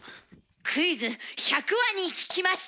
「クイズ１００羽に聞きました」！